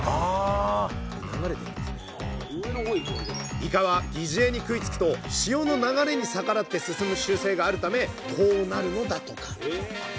イカは擬似餌に食いつくと潮の流れに逆らって進む習性があるためこうなるのだとか。